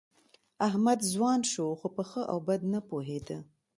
احمد ځوان شو، خو په ښه او بد نه پوهېده.